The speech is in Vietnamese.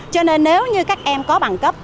cho nên nếu như các em có bằng cấp